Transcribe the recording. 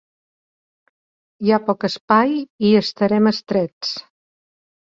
Hi ha poc espai i hi estarem estrets.